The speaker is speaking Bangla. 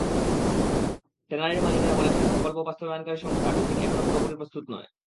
ট্যানারির মালিকেরা বলছেন, প্রকল্প বাস্তবায়নকারী সংস্থা বিসিক এখনো পুরোপুরি প্রস্তুত নয়।